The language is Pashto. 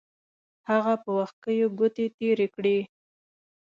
هغه په وښکیو ګوتې تېرې کړې.